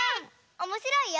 おもしろいよ！